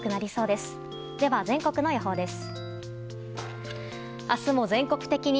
では、全国の予報です。